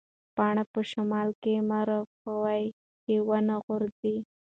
پاڼه په شمال کې مه رپوئ چې ونه غوځېږي.